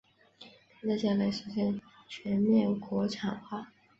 并在将来实现全面国产化。